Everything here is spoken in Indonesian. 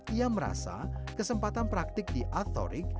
ia merasa kesempatan praktik di atorik